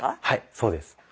はいそうです。